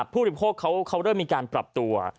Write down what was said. ผู้ทิศพวกเขาก็เริ่มมีการปรับตัว